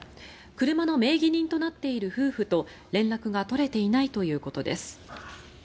車の名義人となっている夫婦と連絡が取れていないということです。